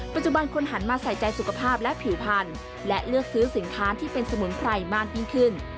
คนหันมาใส่ใจสุขภาพและผิวพันธุ์และเลือกซื้อสินค้าที่เป็นสมุนไพรมากยิ่งขึ้น